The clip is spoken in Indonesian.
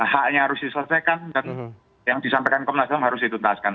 haknya harus diselesaikan dan yang disampaikan komunikasi harus dituntaskan